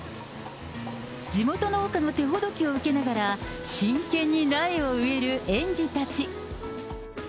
地元農家の手ほどきを受けながら、真剣に苗を植える園児たち。